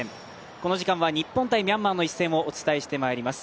この時間は日本×ミャンマーの一戦をお伝えしてまいります。